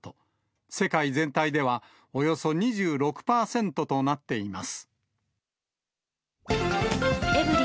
世界全体ではおよそ２６％となっています。